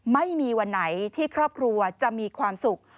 ไม่มีวันไหนที่ครอบครัวจะมีความสุข